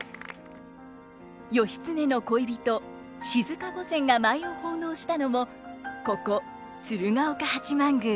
義経の恋人静御前が舞を奉納したのもここ鶴岡八幡宮。